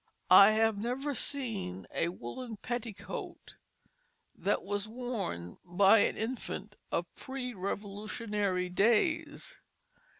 I have never seen a woollen petticoat that was worn by an infant of pre Revolutionary days.